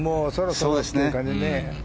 そうですね。